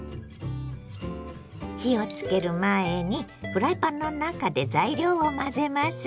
火をつける前にフライパンの中で材料を混ぜます。